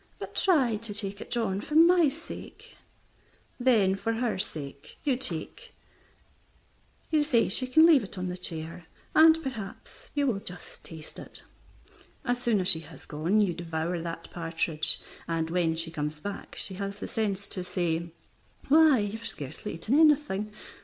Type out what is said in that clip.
"But try to take it, John, for my sake." Then for her sake you say she can leave it on the chair, and perhaps you will just taste it. As soon as she has gone you devour that partridge, and when she comes back she has the sense to say "Why, you have scarcely eaten anything.